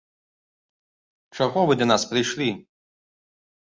Чаго вы да нас прыйшлі?